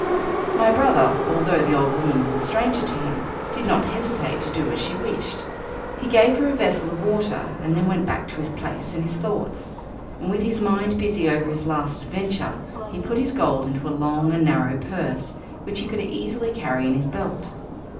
My brother, although the old woman was a stranger to him, did not hesitate to do as she wished. He gave her a vessel of water and then went back to his place and his thoughts, and with his mind busy over his last adventure, he put his gold into a long and narrow purse, which he could easily carry in his belt.